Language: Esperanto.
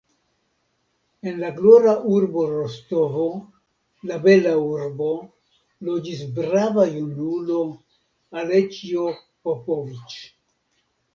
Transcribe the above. En la glora urbo Rostovo, la bela urbo, loĝis brava junulo, Aleĉjo Popoviĉ.